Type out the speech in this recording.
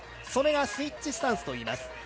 それがスイッチスタンスといいます。